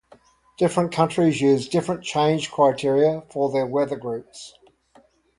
Different countries use different change criteria for their weather groups.